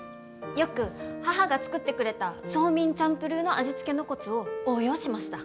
よく母が作ってくれたソーミンチャンプルーの味付けのコツを応用しました。